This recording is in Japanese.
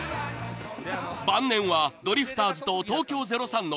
［晩年はドリフターズと東京０３の飯塚悟志